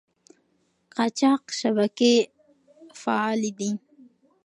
قاچاق شبکې فعالې دي.